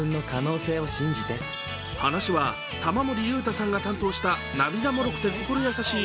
話は、玉森裕太さんが担当した涙もろくて心優しい